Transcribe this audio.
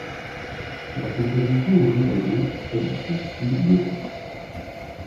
La composition en médaillons est du pur style gothique.